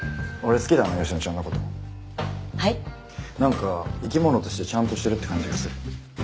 なんか生き物としてちゃんとしてるって感じがする。